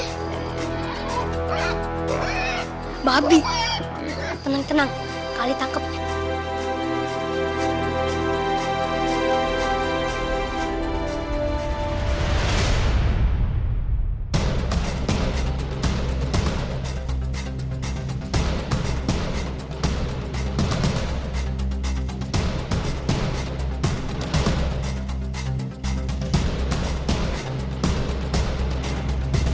habis habis siapa itu orang kadunya biar kembali nih